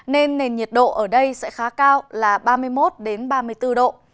nên nền nhiệt độ ở đây sẽ khá cao là ba mươi một ba mươi bốn độ